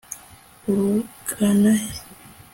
uragana hehe